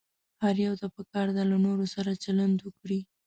هر يوه ته پکار ده له نورو سره چلند وکړي.